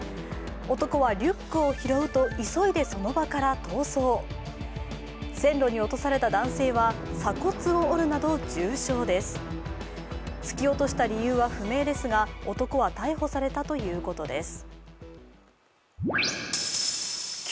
男はリュックを拾うと急いでその場から逃走線路に落とされた男性は鎖骨を折るなど重傷です突き落とした理由は不明ですが男は逮捕されたということです。